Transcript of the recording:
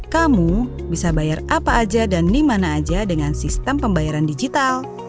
kamu bisa bayar apa aja dan dimana aja dengan sistem pembayaran digital